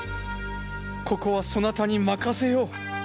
ここはそなたに任せよう。